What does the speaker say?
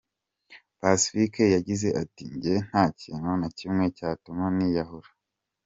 Pacifique yagize ati: “Njye ntakintu na kimwe cyatuma niyahura.